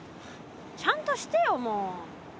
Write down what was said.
ちゃんとしてよもう。